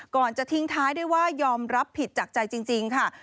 ก่อนจะทิ้งท้ายได้ว่ายอมรับผิดจากใจจริงค่ะ